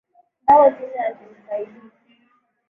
Dawa zile hazimsaidii